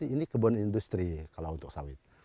ini kebun industri kalau untuk sawit